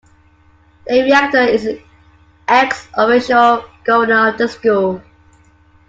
The Rector is an ex officio Governor of the school.